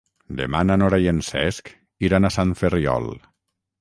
Demà na Nora i en Cesc iran a Sant Ferriol.